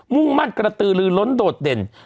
มุ่งมั่นกระตือลือล้นโดดเด่น